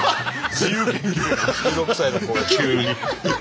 １６歳の子が急に。